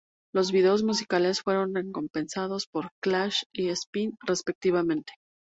Los videos musicales fueron recompensados por "Clash" y "Spin", respectivamente.